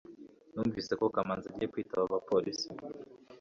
numvise ko kamanzi agiye kwitaba abapolisi